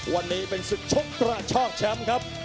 วันนี้เป็นศึกชกกระชากแชมป์ครับ